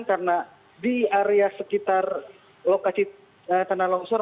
karena di area sekitar lokasi tanah longsor